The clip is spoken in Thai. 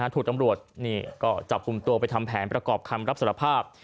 ถูกตำรวจก็จับกลุ่มตัวไปทำแผนประกอบคำรับสารภาพ